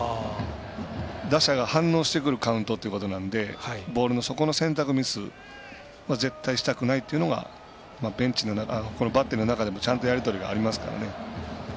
打者が反応してくるカウントということなのでボールの、そこの選択ミスは絶対したくないというのがバッテリーの中でもちゃんとやり取りがありますから。